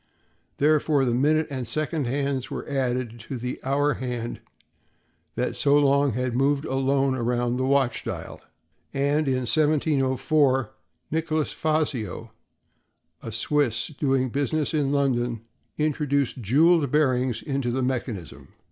Therefore the minute and second hands were added to the hour hand that so long had moved alone around the watch dial. And in 1704, Nicholas Facio, a Swiss doing business in London, introduced jeweled bearings into the mechanism.